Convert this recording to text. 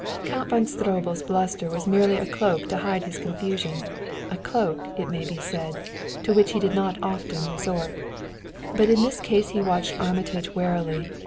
Count von Stroebel's bluster was merely a cloak to hide his confusion a cloak, it may be said, to which he did not often resort; but in this case he watched Armitage warily.